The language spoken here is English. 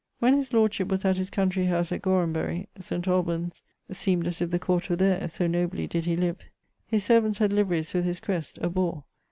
When his lordship was at his country house at Gorhambery, St. Albans seemed as if the court were there, so nobly did he live. His servants had liveries with his crest (a boare